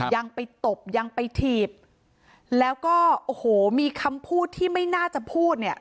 ยังไปตบยังไปถีบแล้วก็โอ้โหมีคำพูดที่ไม่น่าจะพูดเนี่ย